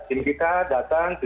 tim kita datang